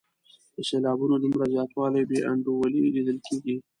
د سېلابونو دومره زیاته بې انډولي لیدل کیږي.